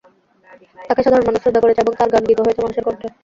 তাঁকে সাধারণ মানুষ শ্রদ্ধা করেছে এবং তাঁর গান গীত হয়েছে মানুষের কণ্ঠে।